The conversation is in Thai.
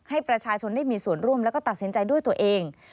ให้ประชาชนได้มีส่วนร่วมแล้วก็ตัดสินใจด้วยตัวเอง